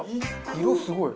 色すごい。